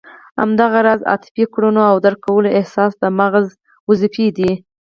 همدغه راز عاطفي کړنو او درک کولو احساس د مغز دندې دي.